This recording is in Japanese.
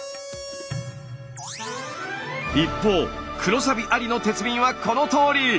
一方黒サビありの鉄瓶はこのとおり！